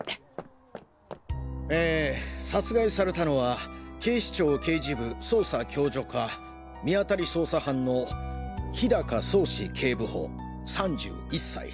え殺害されたのは警視庁刑事部捜査共助課見当たり捜査班の氷高創志警部補３１歳。